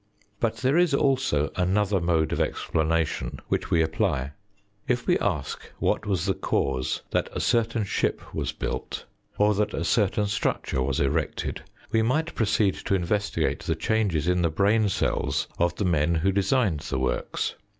But there is also another mode of explanation which we apply. If we ask what was the cause that a certain ship was built, or that a certain structure was erected, we might proceed to investigate the changes in the brain cells of the men who designed the works.